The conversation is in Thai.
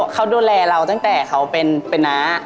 เขาดูแลเราตั้งแต่เขาเป็นน้า